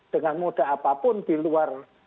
dengan moda apapun di luar